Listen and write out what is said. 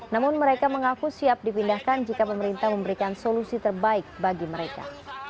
namun mereka mengaku siap dipindahkan jika pemerintah memberikan solusi terbaik bagi mereka